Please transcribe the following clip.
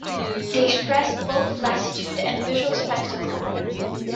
They stressed both lassitude and visual spectacle.